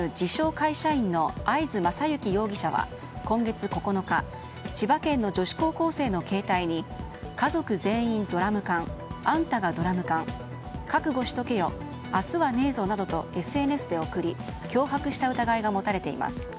会社員の会津政行容疑者は今月９日千葉県の女子高校生の携帯に家族全員ドラム缶あんたがドラム缶覚悟しとけよ明日はねえぞなどとＳＮＳで送り、脅迫した疑いが持たれています。